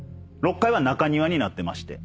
６階は中庭になってまして。